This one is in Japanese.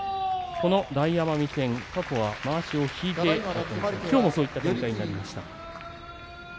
この大奄美戦、過去はまわしを引いてきょうもそういう展開でした。